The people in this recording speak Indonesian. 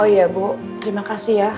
oh ya bu terima kasih ya